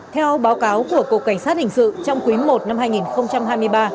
theo báo cáo của cục cảnh sát hình sự trong quý i năm hai nghìn hai mươi ba